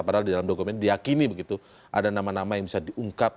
padahal di dalam dokumen ini diakini begitu ada nama nama yang bisa diungkap